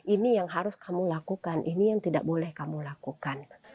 ini yang harus kamu lakukan ini yang tidak boleh kamu lakukan